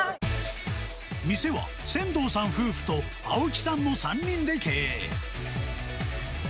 店は千藤さん夫婦と青木さんの３人で経営。